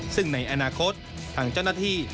ซึ่งในอนาคตทางเจ้าหน้าที่